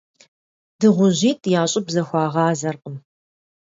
ДыгъужьитӀ я щӀыб зэхуагъазэркъым.